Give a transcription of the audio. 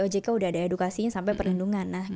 ojk udah ada edukasinya sampai perlindungan